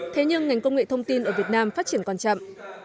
thế nhưng ngành công nghệ thông tin ở việt nam phát triển còn chậm